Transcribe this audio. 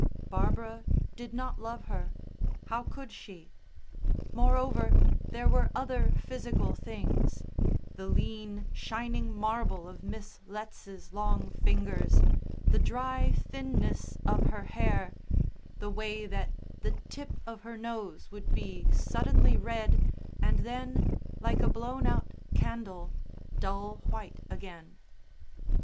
Barbara did not love her how could she? Moreover, there were other physical things: the lean, shining marble of Miss Letts's long fingers, the dry thinness of her hair, the way that the tip of her nose would be suddenly red, and then, like a blown out candle, dull white again.